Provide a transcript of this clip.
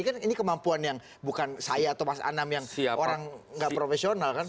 kan ini kemampuan yang bukan saya atau mas anam yang orang nggak profesional kan